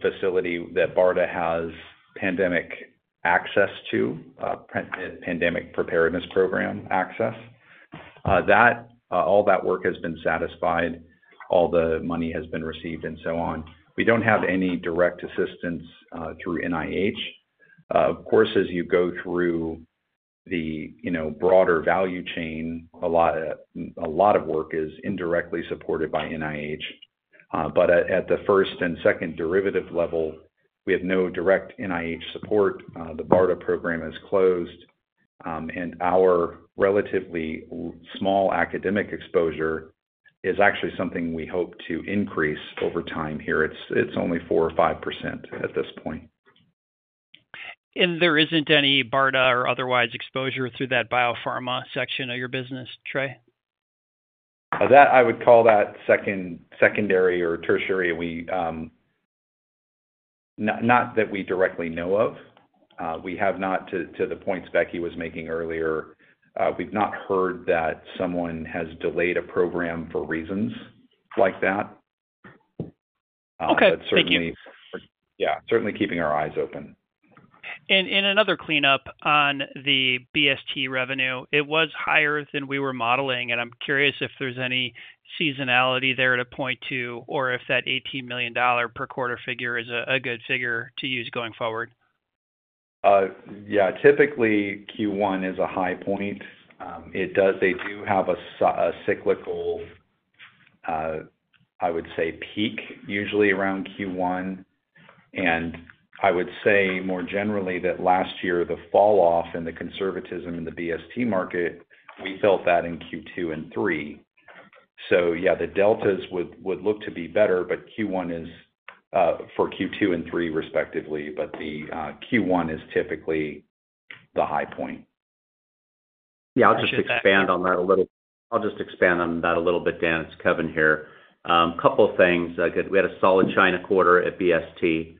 facility that BARDA has pandemic access to, pandemic preparedness program access, all that work has been satisfied. All the money has been received and so on. We do not have any direct assistance through NIH. Of course, as you go through the broader value chain, a lot of work is indirectly supported by NIH. At the first and second derivative level, we have no direct NIH support. The BARDA program is closed, and our relatively small academic exposure is actually something we hope to increase over time here. It is only 4% or 5% at this point. There is not any BARDA or otherwise exposure through that biopharma section of your business, Trey? I would call that secondary or tertiary, not that we directly know of. We have not, to the points Becky was making earlier, we have not heard that someone has delayed a program for reasons like that. Certainly, yeah, certainly keeping our eyes open. In another cleanup on the BST revenue, it was higher than we were modeling, and I'm curious if there's any seasonality there to point to or if that $18 million per quarter figure is a good figure to use going forward. Typically, Q1 is a high point. They do have a cyclical, I would say, peak usually around Q1. I would say more generally that last year, the falloff and the conservatism in the BST market, we felt that in Q2 and 3. The deltas would look to be better for Q2 and 3 respectively, but Q1 is typically the high point. I'll just expand on that a little bit, Dan. It's Kevin here. A couple of things. We had a solid China quarter at BST.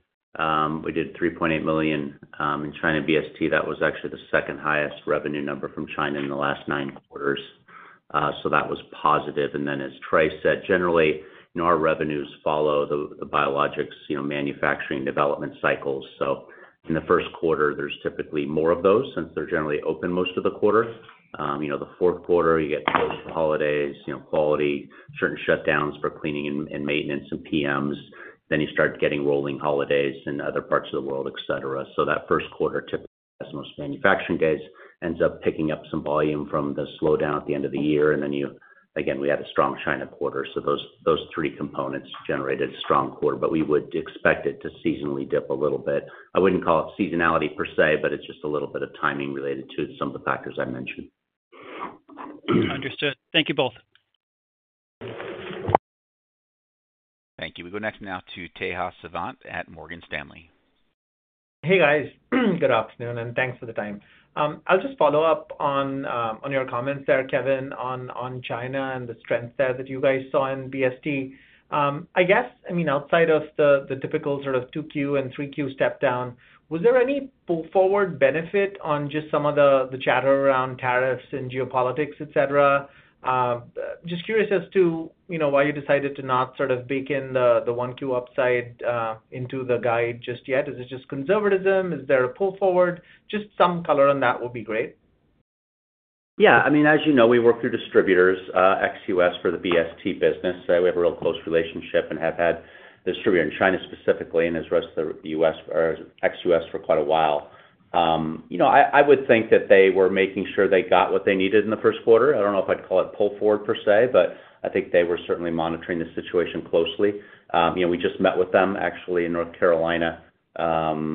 We did $3.8 million in China BST. That was actually the second highest revenue number from China in the last nine quarters. That was positive. As Trey said, generally, our revenues follow the biologics manufacturing development cycles. In the first quarter, there is typically more of those since they are generally open most of the quarter. The fourth quarter, you get holidays, quality, certain shutdowns for cleaning and maintenance and PMs. You start getting rolling holidays in other parts of the world, etc. That first quarter typically has the most manufacturing days, ends up picking up some volume from the slowdown at the end of the year. We had a strong China quarter. Those three components generated a strong quarter, but we would expect it to seasonally dip a little bit. I would not call it seasonality per se, but it is just a little bit of timing related to some of the factors I mentioned. Understood. Thank you both. Thank you. We go next now to Teha Sivant at Morgan Stanley. Hey, guys. Good afternoon, and thanks for the time. I will just follow up on your comments there, Kevin, on China and the strength there that you guys saw in BST. I guess, I mean, outside of the typical sort of 2Q and 3Q step down, was there any pull-forward benefit on just some of the chatter around tariffs and geopolitics, etc.? Just curious as to why you decided to not sort of bake in the 1Q upside into the guide just yet. Is it just conservatism? Is there a pull-forward? Just some color on that would be great. Yeah. I mean, as you know, we work through distributors, XUS for the BST business. We have a real close relationship and have had distributors in China specifically and as well as the U.S. or XUS for quite a while. I would think that they were making sure they got what they needed in the first quarter. I do not know if I would call it pull-forward per se, but I think they were certainly monitoring the situation closely. We just met with them, actually, in North Carolina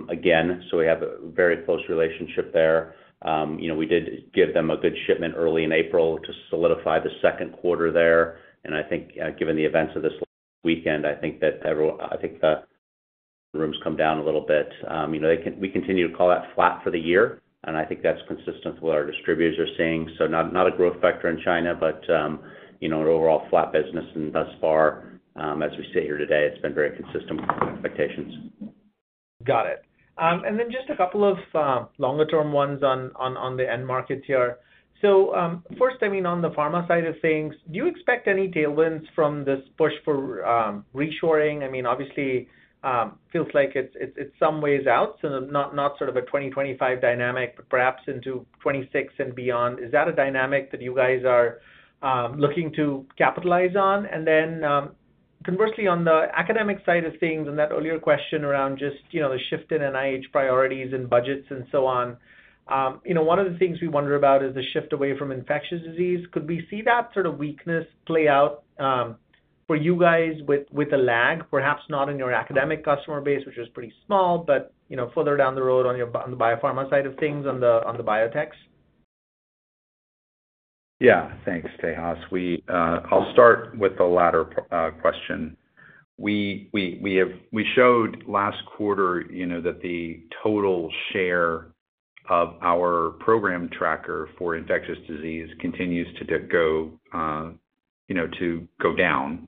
again. We have a very close relationship there. We did give them a good shipment early in April to solidify the second quarter there. I think given the events of this weekend, I think the room's come down a little bit. We continue to call that flat for the year, and I think that's consistent with what our distributors are seeing. Not a growth factor in China, but an overall flat business. Thus far, as we sit here today, it's been very consistent with expectations. Got it. Just a couple of longer-term ones on the end markets here. First, I mean, on the pharma side of things, do you expect any tailwinds from this push for reshoring? I mean, obviously, it feels like it's some ways out, not sort of a 2025 dynamic, but perhaps into 2026 and beyond. Is that a dynamic that you guys are looking to capitalize on? Conversely, on the academic side of things, on that earlier question around just the shift in NIH priorities and budgets and so on, one of the things we wonder about is the shift away from infectious disease. Could we see that sort of weakness play out for you guys with a lag, perhaps not in your academic customer base, which is pretty small, but further down the road on the biopharma side of things, on the biotechs? Yeah. Thanks, Tehas. I'll start with the latter question. We showed last quarter that the total share of our program tracker for infectious disease continues to go down,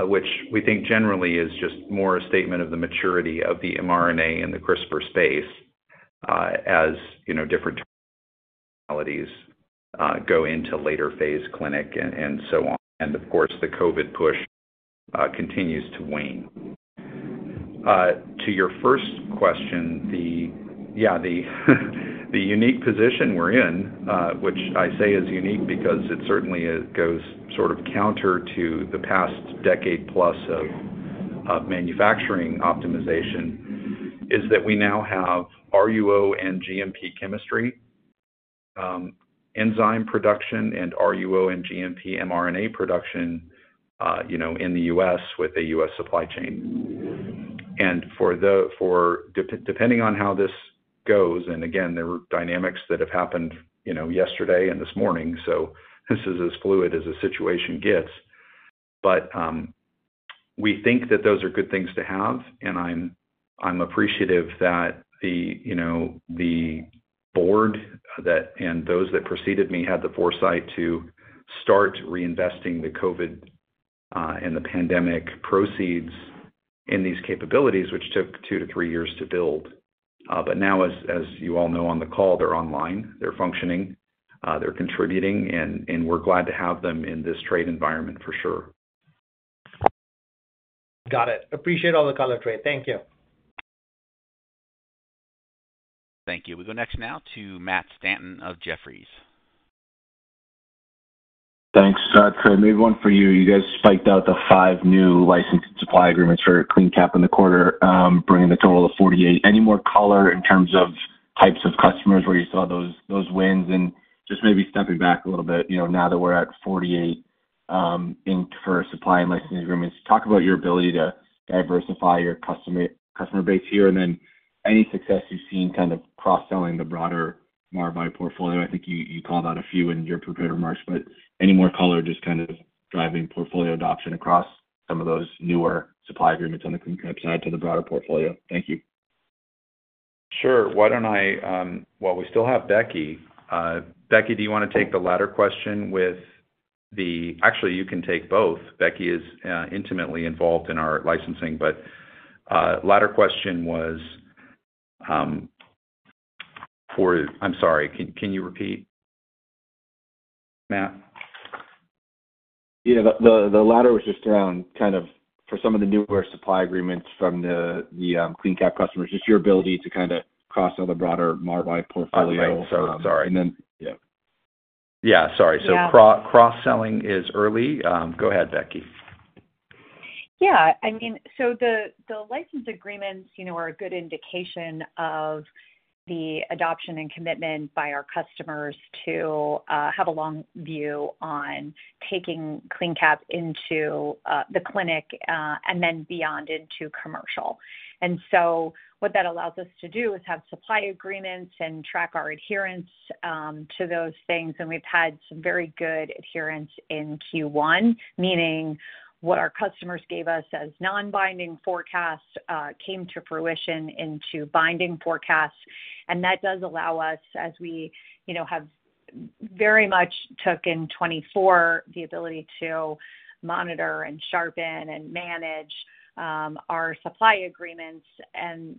which we think generally is just more a statement of the maturity of the mRNA in the CRISPR space as different modalities go into later phase clinic and so on. Of course, the COVID push continues to wane. To your first question, yeah, the unique position we're in, which I say is unique because it certainly goes sort of counter to the past decade-plus of manufacturing optimization, is that we now have RUO and GMP chemistry, enzyme production, and RUO and GMP mRNA production in the U.S. with a U.S. supply chain. Depending on how this goes, and again, there were dynamics that have happened yesterday and this morning, this is as fluid as the situation gets. We think that those are good things to have, and I'm appreciative that the board and those that preceded me had the foresight to start reinvesting the COVID and the pandemic proceeds in these capabilities, which took two to three years to build. Now, as you all know on the call, they're online. They're functioning. They're contributing, and we're glad to have them in this trade environment for sure. Got it. Appreciate all the color, Trey. Thank you. Thank you. We go next now to Matt Stanton of Jefferies. Thanks. Trey, maybe one for you. You guys spiked out the five new licensed supply agreements for CleanCap in the quarter, bringing the total to 48. Any more color in terms of types of customers where you saw those wins? Just maybe stepping back a little bit now that we're at 48 inked for supply and licensing agreements, talk about your ability to diversify your customer base here. Any success you've seen kind of cross-selling the broader Maravai portfolio? I think you called out a few in your prepared remarks, but any more color just kind of driving portfolio adoption across some of those newer supply agreements on the Clean Cap side to the broader portfolio? Thank you. Sure. Why do not I—well, we still have Becky. Becky, do you want to take the latter question with the—actually, you can take both. Becky is intimately involved in our licensing, but the latter question was for—I'm sorry. Can you repeat, Matt? Yeah. The latter was just around kind of for some of the newer supply agreements from the Clean Cap customers, just your ability to kind of cross-sell the broader Maravai portfolio. Sorry. Yeah. Sorry. Cross-selling is early. Go ahead, Becky. Yeah. I mean, the license agreements are a good indication of the adoption and commitment by our customers to have a long view on taking CleanCap into the clinic and then beyond into commercial. What that allows us to do is have supply agreements and track our adherence to those things. We have had some very good adherence in Q1, meaning what our customers gave us as non-binding forecasts came to fruition into binding forecasts. That does allow us, as we have very much took in 2024, the ability to monitor and sharpen and manage our supply agreements and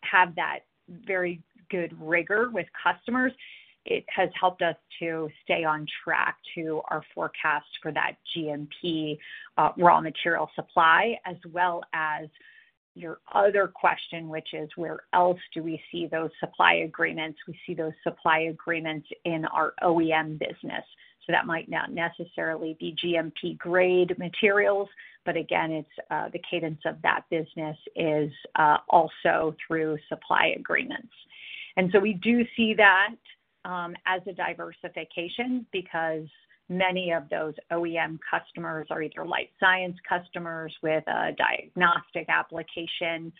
have that very good rigor with customers. It has helped us to stay on track to our forecast for that GMP raw material supply, as well as your other question, which is where else do we see those supply agreements? We see those supply agreements in our OEM business. That might not necessarily be GMP-grade materials, but again, the cadence of that business is also through supply agreements. We do see that as a diversification because many of those OEM customers are either life science customers with a diagnostic application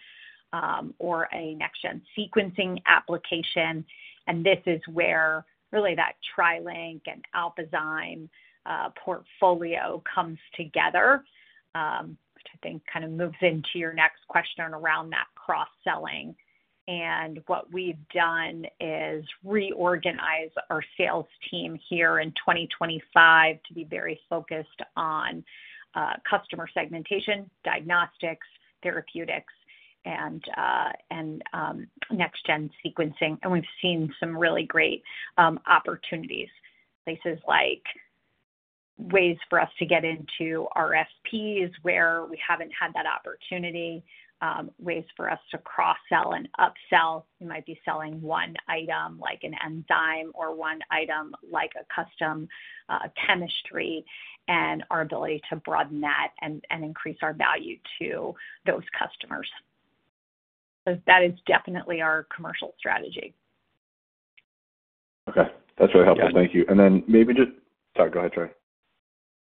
or a next-gen sequencing application. This is where really that TriLink and AlphaZyme portfolio comes together, which I think kind of moves into your next question around that cross-selling. What we have done is reorganize our sales team here in 2025 to be very focused on customer segmentation, diagnostics, therapeutics, and next-gen sequencing. We have seen some really great opportunities, places like ways for us to get into RFPs where we have not had that opportunity, ways for us to cross-sell and upsell. We might be selling one item like an enzyme or one item like a custom chemistry and our ability to broaden that and increase our value to those customers. That is definitely our commercial strategy. Okay. That is really helpful. Thank you. Maybe just—sorry, go ahead, Trey.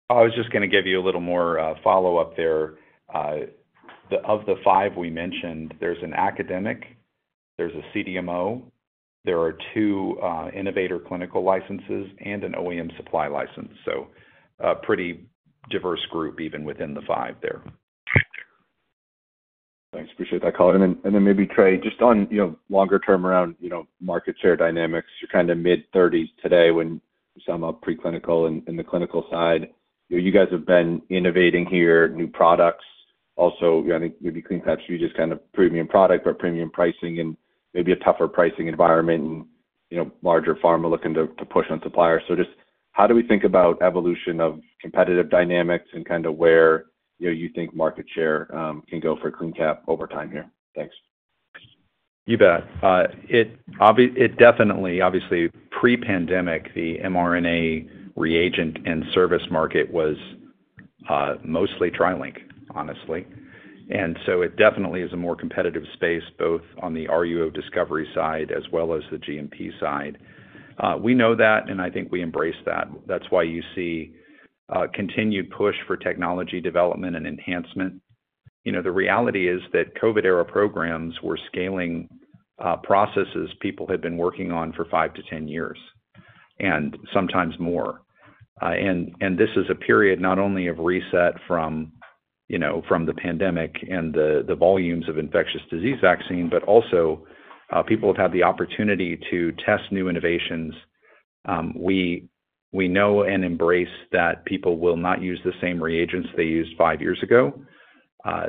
I was just going to give you a little more follow-up there. Of the five we mentioned, there is an academic, there is a CDMO, there are two innovator clinical licenses, and an OEM supply license. A pretty diverse group even within the five there. Thanks. Appreciate that, Colin. Maybe, Trey, just on longer-term around market share dynamics, you are kind of mid-30s today when some are preclinical in the clinical side. You guys have been innovating here, new products. Also, I think maybe Clean Cap is just kind of a premium product but premium pricing and maybe a tougher pricing environment and larger pharma looking to push on suppliers. Just how do we think about evolution of competitive dynamics and kind of where you think market share can go for Clean Cap over time here? Thanks. You bet. It definitely, obviously, pre-pandemic, the mRNA reagent and service market was mostly TriLink, honestly. It definitely is a more competitive space both on the RUO discovery side as well as the GMP side. We know that, and I think we embrace that. That is why you see continued push for technology development and enhancement. The reality is that COVID-era programs were scaling processes people had been working on for 5 to 10 years and sometimes more. This is a period not only of reset from the pandemic and the volumes of infectious disease vaccine, but also people have had the opportunity to test new innovations. We know and embrace that people will not use the same reagents they used five years ago.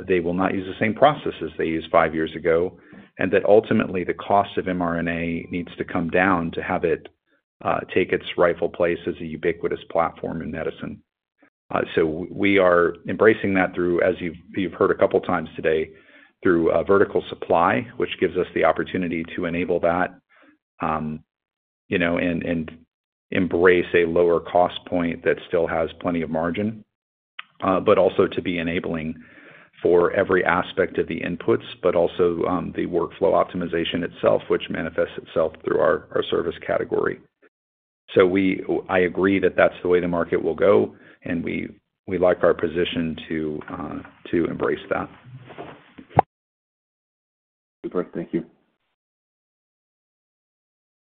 They will not use the same processes they used five years ago, and that ultimately the cost of mRNA needs to come down to have it take its rightful place as a ubiquitous platform in medicine. We are embracing that through, as you've heard a couple of times today, through vertical supply, which gives us the opportunity to enable that and embrace a lower cost point that still has plenty of margin, but also to be enabling for every aspect of the inputs, but also the workflow optimization itself, which manifests itself through our service category. I agree that that's the way the market will go, and we like our position to embrace that. Super. Thank you.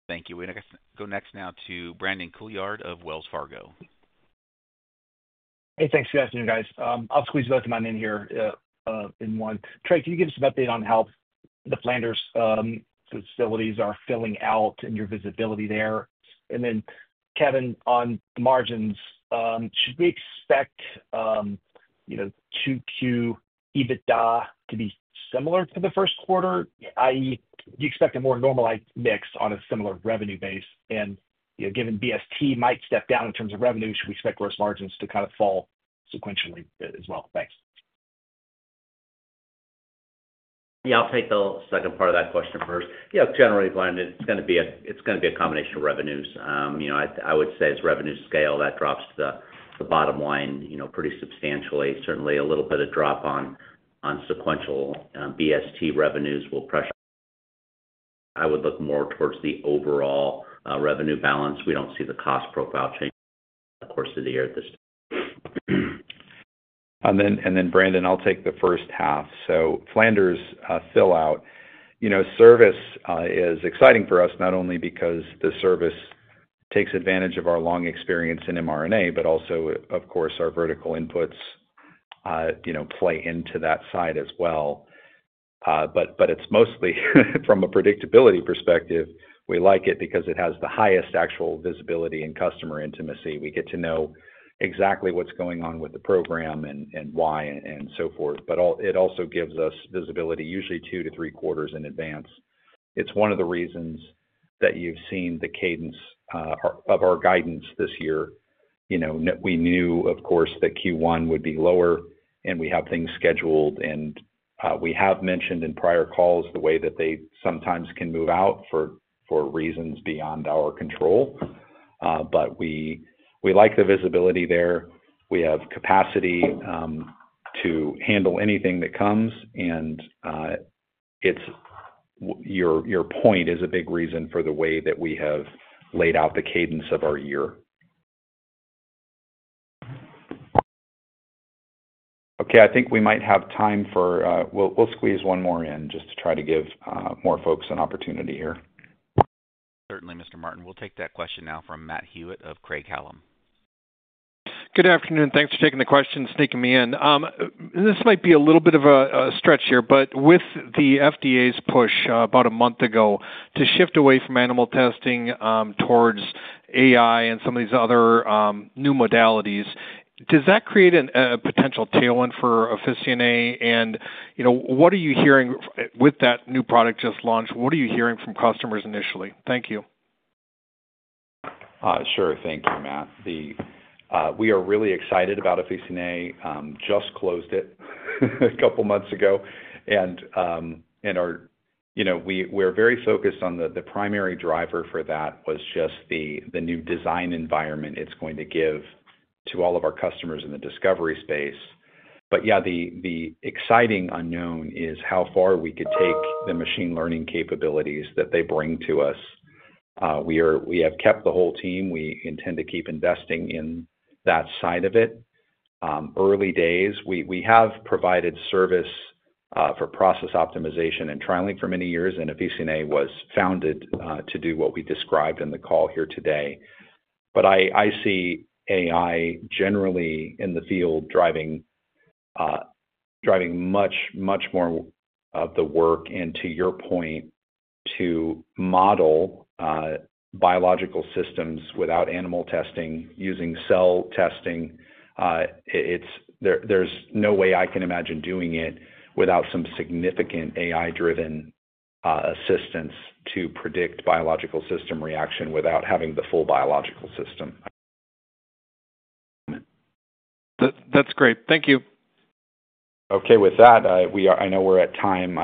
Thank you. We're going to go next now to Brandon Couillard of Wells Fargo. Hey, thanks for the afternoon, guys. I'll squeeze both of mine in here in one. Trey, can you give us some update on how the Flanders facilities are filling out and your visibility there? Kevin, on margins, should we expect 2Q EBITDA to be similar to the first quarter? I.e., do you expect a more normalized mix on a similar revenue base? Given BST might step down in terms of revenue, should we expect gross margins to kind of fall sequentially as well? Thanks. Yeah. I'll take the second part of that question first. Yeah. Generally, Brandon, it's going to be a combination of revenues. I would say as revenues scale, that drops to the bottom line pretty substantially. Certainly, a little bit of drop on sequential BST revenues will pressure. I would look more towards the overall revenue balance. We do not see the cost profile change over the course of the year at this time. Then Brandon, I will take the first half. Flanders fill out. Service is exciting for us, not only because the service takes advantage of our long experience in mRNA, but also, of course, our vertical inputs play into that side as well. It is mostly from a predictability perspective. We like it because it has the highest actual visibility and customer intimacy. We get to know exactly what is going on with the program and why and so forth. It also gives us visibility usually two to three quarters in advance. It's one of the reasons that you've seen the cadence of our guidance this year. We knew, of course, that Q1 would be lower, and we have things scheduled. We have mentioned in prior calls the way that they sometimes can move out for reasons beyond our control. We like the visibility there. We have capacity to handle anything that comes. Your point is a big reason for the way that we have laid out the cadence of our year. Okay. I think we might have time for, we'll squeeze one more in just to try to give more folks an opportunity here. Certainly, Mr. Martin. We'll take that question now from Matt Hewitt of Craig-Hallum. Good afternoon. Thanks for taking the question, sneaking me in. This might be a little bit of a stretch here, but with the FDA's push about a month ago to shift away from animal testing towards AI and some of these other new modalities, does that create a potential tailwind for Efysene? And what are you hearing with that new product just launched? What are you hearing from customers initially? Thank you. Sure. Thank you, Matt. We are really excited about Efysene. Just closed it a couple of months ago. And we're very focused on the primary driver for that was just the new design environment it's going to give to all of our customers in the discovery space. But yeah, the exciting unknown is how far we could take the machine learning capabilities that they bring to us. We have kept the whole team. We intend to keep investing in that side of it. Early days, we have provided service for process optimization and trialing for many years, and Efysene was founded to do what we described in the call here today. I see AI generally in the field driving much, much more of the work and, to your point, to model biological systems without animal testing, using cell testing. There is no way I can imagine doing it without some significant AI-driven assistance to predict biological system reaction without having the full biological system. That is great. Thank you. Okay. With that, I know we are at time.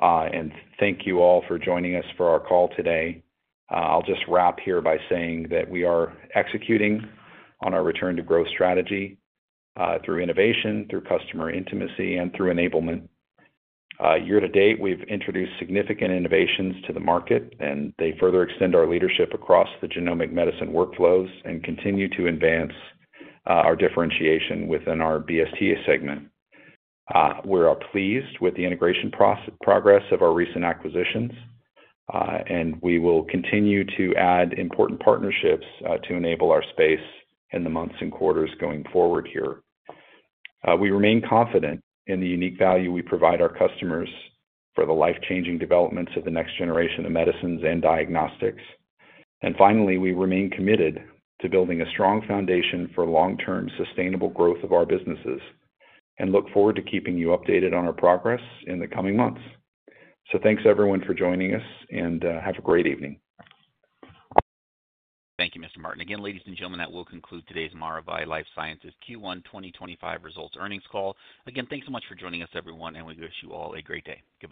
I appreciate everyone staying all the way through. Thank you all for joining us for our call today. I will just wrap here by saying that we are executing on our return-to-growth strategy through innovation, through customer intimacy, and through enablement. Year to date, we've introduced significant innovations to the market, and they further extend our leadership across the genomic medicine workflows and continue to advance our differentiation within our BST segment. We are pleased with the integration progress of our recent acquisitions, and we will continue to add important partnerships to enable our space in the months and quarters going forward here. We remain confident in the unique value we provide our customers for the life-changing developments of the next generation of medicines and diagnostics. Finally, we remain committed to building a strong foundation for long-term sustainable growth of our businesses and look forward to keeping you updated on our progress in the coming months. Thanks, everyone, for joining us, and have a great evening. Thank you, Mr. Martin. Again, ladies and gentlemen, that will conclude today's Maravai LifeSciences Q1 2025 results earnings call. Again, thanks so much for joining us, everyone, and we wish you all a great day. Goodbye.